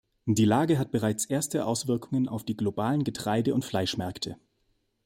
Die Lage hat bereits erste Auswirkungen auf die globalen Getreide- und Fleischmärkte.